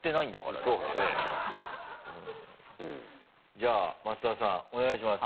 じゃあ増田さんお願いします。